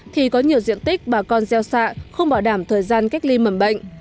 thì có nhiều diện tích bà con gieo xạ không bảo đảm thời gian cách ly mầm bệnh